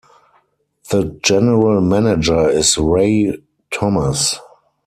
The general manager is Ray Thomas.